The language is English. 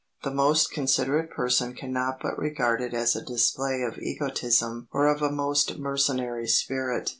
"The most considerate person cannot but regard it as a display of egotism or of a most mercenary spirit.